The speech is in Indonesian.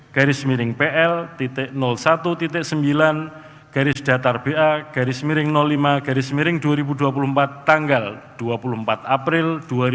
garis miring pl satu sembilan garis datar ba garis miring lima garis miring dua ribu dua puluh empat tanggal dua puluh empat april dua ribu dua puluh